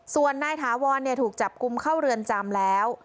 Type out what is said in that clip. ส่วนนายถาวรถูกจับกลุ่มเข้าเรือนจำแล้ว